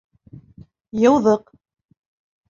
Йыуҙыҡ.